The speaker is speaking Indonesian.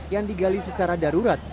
yang digali secara darurat